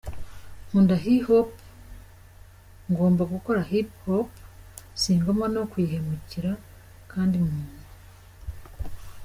Nkunda hip hop, ngomba gukora hip hop, singomba no kuyihemukira - CandyMoon.